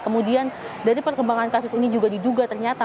kemudian dari perkembangan kasus ini juga diduga ternyata